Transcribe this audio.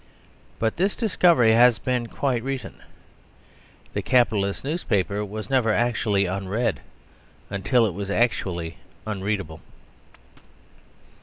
But this discovery has been quite recent. The capitalist newspaper was never actually unread until it was actually unreadable.